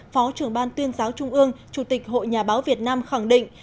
phó trưởng ban tuyên giáo trung ương chủ tịch hội nhà báo việt nam khẳng định